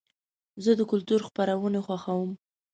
زه د کلتور خپرونې خوښوم.